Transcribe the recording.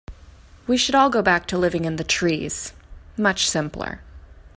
We should all go back to living in the trees, much simpler.